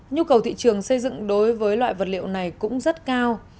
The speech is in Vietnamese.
nhu cầu thị trường xây dựng đối với loại vật liệu này cũng rất cao